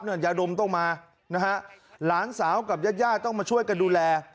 ยาดมต้องมานะฮะหลานสาวกับญาติญาติต้องมาช่วยกันดูแล